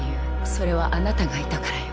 それはあなたがいたからよ。